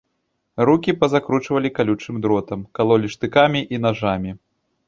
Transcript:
Рукі пазакручвалі калючым дротам, калолі штыкамі і нажамі.